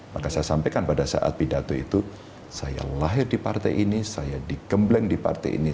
maka saya sampaikan pada saat pidato itu saya lahir di partai ini saya digembleng di partai ini